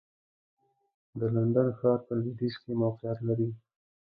د لندن ښار په لوېدیځ کې موقعیت لري.